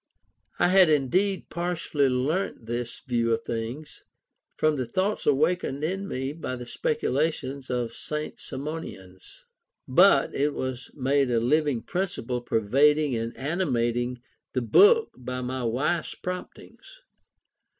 I had indeed partially learnt this view of things from the thoughts awakened in me by the speculations of the St. Simonians; but it was made a living principle pervading and animating the book by my wife's promptings.